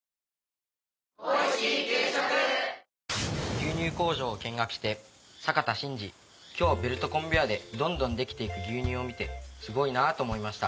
「牛乳工場を見学して坂田信二」「今日ベルトコンベヤーでどんどんできていく牛乳を見てすごいなあと思いました」